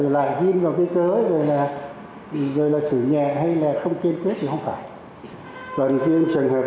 lại vin vào cái cớ rồi là rồi là xử nhẹ hay là không kiên quyết thì không phải còn riêng trường hợp